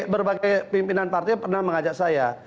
berbagai pimpinan partai pernah mengajak saya